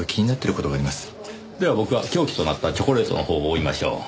では僕は凶器となったチョコレートのほうを追いましょう。